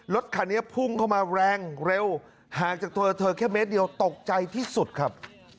รถคันนี้พุ่งเข้ามาแรงเร็วห่างจากตัวเธอแค่เมตรเดียวตกใจที่สุดครับ